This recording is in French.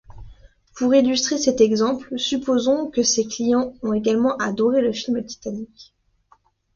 Pour illustrer cet exemple, supposons que ces clients ont également adoré le film Titanic.